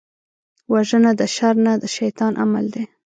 وژنه د شر نه، د شيطان عمل دی